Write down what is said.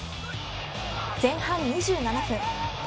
前半２７分。